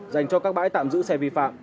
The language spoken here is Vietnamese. dành cho các bãi tạm giữ xe vi phạm